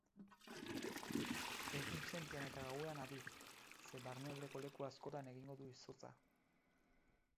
Egunsentian eta gauean adi, ze barnealdeko leku askotan egingo du izotza.